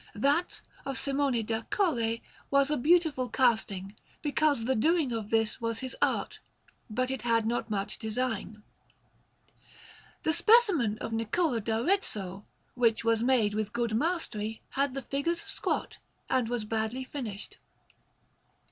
That of Simone da Colle was a beautiful casting, because the doing of this was his art, but it had not much design. The specimen of Niccolò d'Arezzo, which was made with good mastery, had the figures squat and was badly finished.